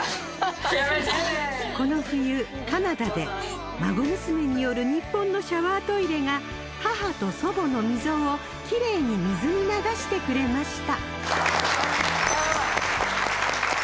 この冬カナダで孫娘による日本のシャワートイレが母と祖母の溝をキレイに水に流してくれました